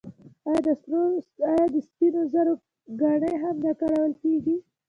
آیا د سپینو زرو ګاڼې هم نه کارول کیږي؟